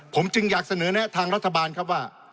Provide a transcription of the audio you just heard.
ผมจึงอยากเสนอแนะทางรัฐบาลครับว่า